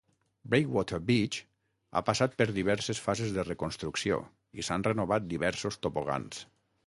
Breakwater Beach ha passat per diverses fases de reconstrucció i s'han renovat diversos tobogans.